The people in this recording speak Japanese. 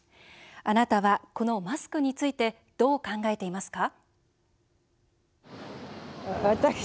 あなたは、このマスクについてどう考えていますか？